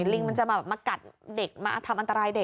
ลิงมันจะมากัดเด็กมาทำอันตรายเด็ก